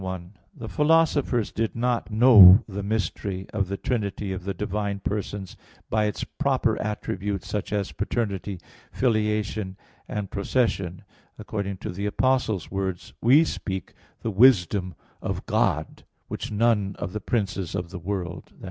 1: The philosophers did not know the mystery of the trinity of the divine persons by its proper attributes, such as paternity, filiation, and procession, according to the Apostle's words, "We speak the wisdom of God which none of the princes of the world" i.